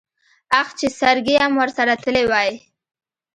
اخ چې سرګي ام ورسره تلی وای.